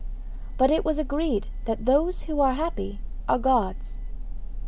But it was agreed that those who are happy are gods.